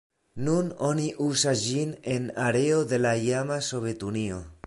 Nun oni uzas ĝin en areo de la iama Sovetunio.